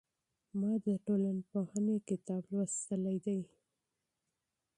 ما د ټولنپوهنې کتاب لوستلی دی.